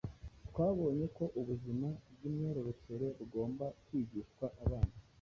Twabonye ko ubuzima bw’imyororokere bugomba kwigishwa abana